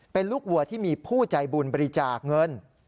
เป็นลูกวัวที่มีผู้ใจบุญบริจาคเงิน